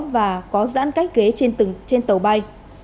và có giãn cách ghế trên tàu bay